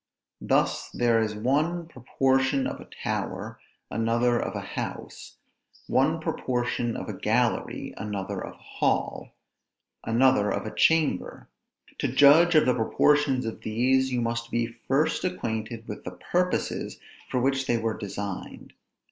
Thus there is one proportion of a tower, another of a house; one proportion of a gallery, another of a hall, another of a chamber. To judge of the proportions of these, you must be first acquainted with the purposes for which they were designed.